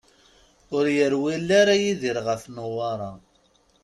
Ur yerwil ara Yidir ɣef Newwara.